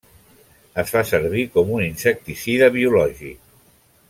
Es fa servir com un insecticida biològic.